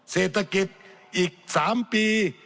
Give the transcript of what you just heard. เศรษฐกิจอีก๓ปี